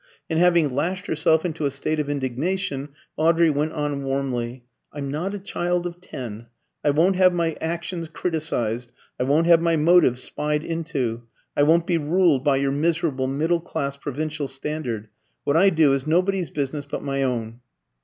And having lashed herself into a state of indignation, Audrey went on warmly "I'm not a child of ten. I won't have my actions criticised. I won't have my motives spied into. I won't be ruled by your miserable middle class, provincial standard. What I do is nobody's business but my own."